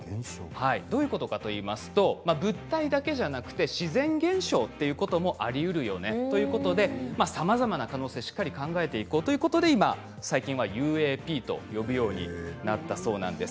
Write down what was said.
どういうことかといいますと物体だけじゃなくて自然現象ということもありうるよね、ということでさまざまな可能性をしっかり考えていこうということで最近ではＵＡＰと呼ぶようになったそうなんです。